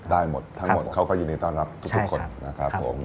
ได้หมดทั้งหมดเขาก็ยินดีต้อนรับทุกคนนะครับผม